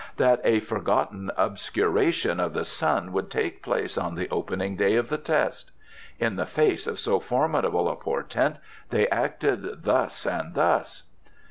that a forgotten obscuration of the sun would take place on the opening day of the test. In the face of so formidable a portent they acted thus and thus."